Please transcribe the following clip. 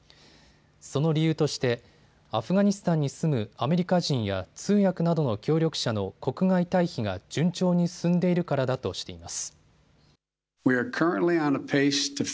その理由としてアフガニスタンに住むアメリカ人や通訳などの協力者の国外退避が順調に進んでいるからだとしています。